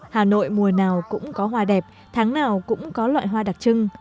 hà nội mùa nào cũng có hoa đẹp tháng nào cũng có loại hoa đặc trưng